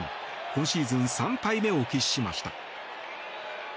今シーズン３敗目を喫しました。